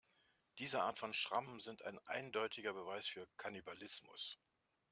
Diese Art von Schrammen sind ein eindeutiger Beweis für Kannibalismus.